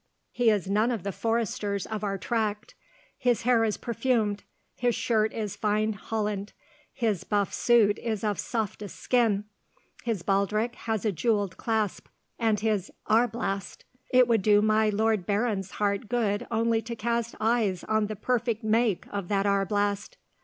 He is none of the foresters of our tract. His hair is perfumed, his shirt is fine holland, his buff suit is of softest skin, his baldric has a jewelled clasp, and his arblast! It would do my lord baron's heart good only to cast eyes on the perfect make of that arblast!